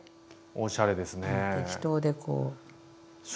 おしゃれですね！